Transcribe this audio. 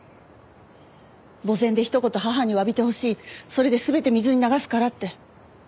墓前で一言母に詫びてほしいそれで全て水に流すからって。